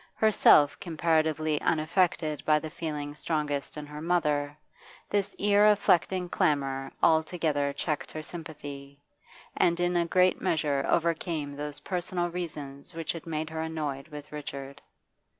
Herself comparatively unaffected by the feelings strongest in her mother, this ear afflicting clamour altogether checked her sympathy, and in a great measure overcame those personal reasons which had made her annoyed with Richard.